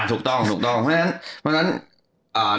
ถูกต้องเพราะฉะนั้น